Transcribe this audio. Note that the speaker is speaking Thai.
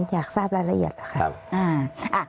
อยากทราบรายละเอียดค่ะ